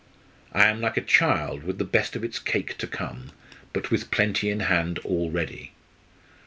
I am like a child with the best of its cake to come, but with plenty in hand already.